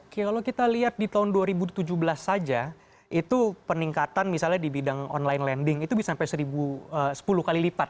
kalau kita lihat di tahun dua ribu tujuh belas saja itu peningkatan misalnya di bidang online lending itu bisa sampai sepuluh kali lipat